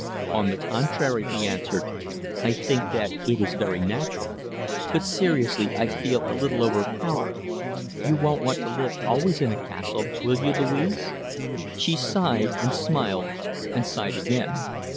"On the contrary," he answered, "I think that it is very natural. But, seriously, I feel a little overpowered. You won't want to live always in a castle, will you, Louise?" She sighed, and smiled, and sighed again.